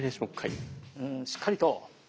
うんしっかりと。